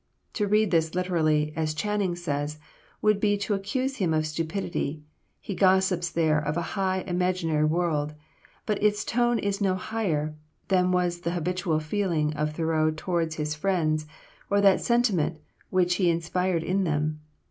To read this literally, as Channing says, "would be to accuse him of stupidity; he gossips there of a high, imaginary world." But its tone is no higher than was the habitual feeling of Thoreau towards his friends, or that sentiment which he inspired in them.